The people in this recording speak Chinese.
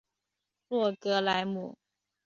洛格莱姆。